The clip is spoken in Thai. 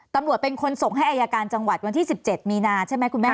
ตำรวจเป็นคนส่งให้อายการจังหวัดวันที่๑๗มีนาใช่ไหมคุณแม่